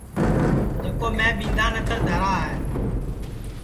جکو میں ٻِندھا نتر دھرا ہے